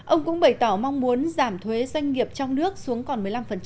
ông cũng bày tỏ mong muốn giảm thuế doanh nghiệp trong nước xuống còn một mươi năm